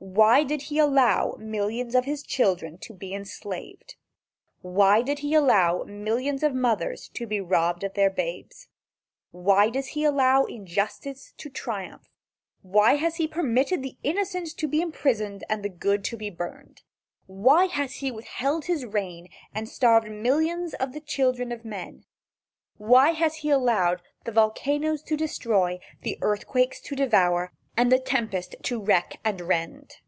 Why did he allow millions of his children to be enslaved? Why did he allow millions of mothers to be robbed of their babes? Why has he allowed injustice to triumph? Why has he permitted the innocent to be imprisoned and the good to be burned? Why has he withheld his rain and starved millions of the children of men? Why has he allowed the volcanoes to destroy, the earthquakes to devour, and the tempest to wreck and rend?